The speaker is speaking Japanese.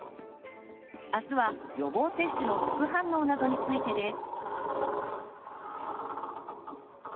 明日は予防接種の副反応などについてです。